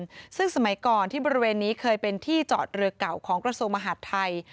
ซึ่งสมัยก่อนที่บริเวณนี้เคยเป็นที่จอดเรือเก่าของกระทรวงมหาดไทย